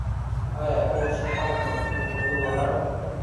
آیا ټول ښه خلک په خپلو خبرو ولاړ وي؟